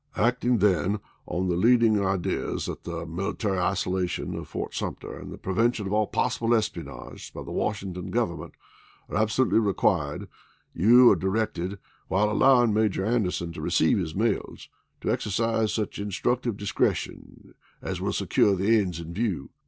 Acting then on the leading ideas that the military iso lation of Fort Sumter and the prevention of all possible espionage by the Washington Government are absolutely required, you are du'ected, while allowing Major Ander son to receive his mails, to exercise such instructive discretion as will secure the ends in view.